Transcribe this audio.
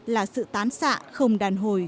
là sự tán xạ không đàn hồi